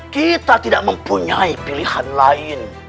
kita tidak mempunyai pilihan lain